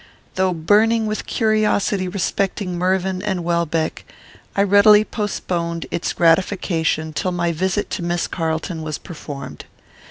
Though burning with curiosity respecting Mervyn and Welbeck, I readily postponed its gratification till my visit to Miss Carlton was performed.